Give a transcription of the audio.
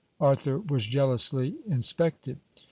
Arthur was jealously, inspected.